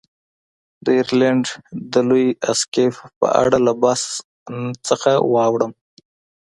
د ایرلنډ د لوی اسقف په اړه له بحث نه واوړم.